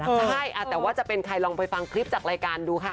ใช่แต่ว่าจะเป็นใครลองไปฟังคลิปจากรายการดูค่ะ